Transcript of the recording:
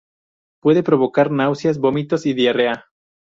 Puede provocar náuseas, vómitos y diarrea.